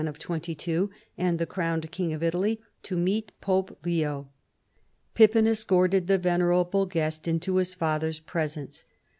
247 of twenty two and the crowned king of Italy) to meet Pope Leo. Pippin escorted the venerable guest into his father's presence.